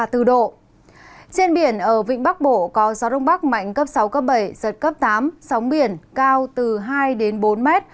trên biển ở vịnh bắc bộ có gió rung bắc mạnh cấp sáu bảy giật cấp tám sóng biển cao từ hai bốn m